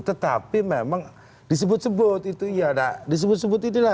tetapi memang disebut sebut itu iya disebut sebut inilah